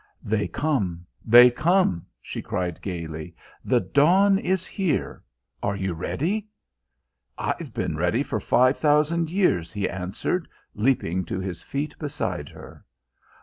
"They come, they come," she cried gaily. "The Dawn is here. Are you ready?" "I've been ready for five thousand years," he answered, leaping to his feet beside her.